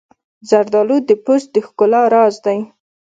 زردالو د پوست د ښکلا راز دی.